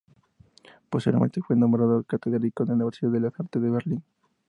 Posteriormente fue nombrado catedrático en la Universidad de las Artes de Berlín.